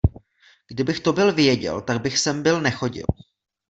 Kdybych to byl věděl, tak bych sem byl nechodil.